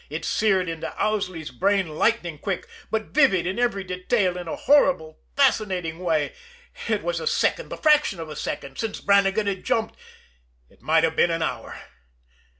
It seared into Owsley's brain lightning quick, but vivid in every detail in a horrible, fascinating way. It was a second, the fraction of a second since Brannigan had jumped it might have been an hour.